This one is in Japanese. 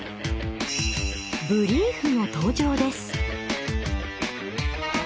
ブリーフの登場です。